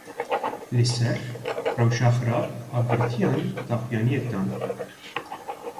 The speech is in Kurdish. Li ser rewşa xerab a girtiyan daxuyaniyek dan.